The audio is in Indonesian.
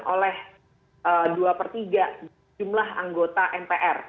oleh dua per tiga jumlah anggota mpr